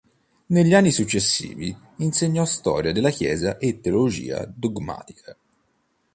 Negli anni successivi insegnò storia della Chiesa e teologia dogmatica.